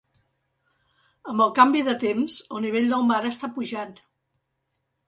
Amb el canvi de temps el nivell del mar està pujant.